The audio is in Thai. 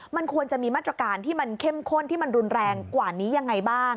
มันควรจะมีมาตรการที่มันเข้มข้นที่มันรุนแรงกว่านี้ยังไงบ้าง